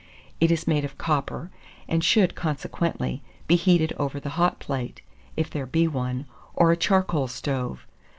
It is made of copper, and should, consequently, be heated over the hot plate, if there be one, or a charcoal stove.